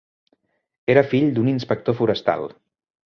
Era fill d'un inspector forestal.